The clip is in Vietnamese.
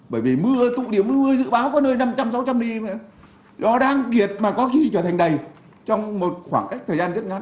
bởi vì mưa tụ điểm nuôi dự báo có nơi năm trăm linh sáu trăm linh mm nó đang kiệt mà có khi trở thành đầy trong một khoảng cách thời gian rất ngắn